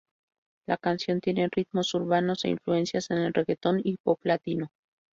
La canción tiene ritmos urbanos e influencias en el reguetón y pop latino.